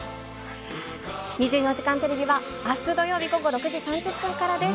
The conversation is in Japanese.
２４時間テレビは、あす土曜日午後６時３０分からです。